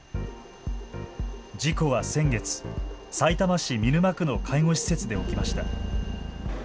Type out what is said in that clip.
事故は先月、さいたま市見沼区の介護施設で起きました。